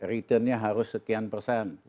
return nya harus sekian persen